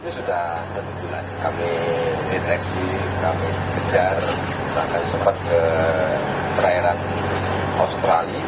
sudah satu bulan kami deteksi kami kejar bahkan sempat ke perairan australia